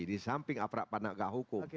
di samping aprak panagah hukum